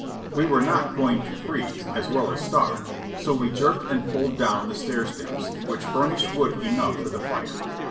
We were not going to freeze as well as starve, so we jerked and pulled down the stair steps, which furnished food enough for the fire.